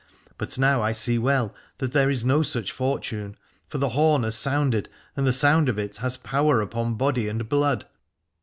But now I see well that there is no such fortune : for the horn has sounded, and the sound of it has power upon body and blood.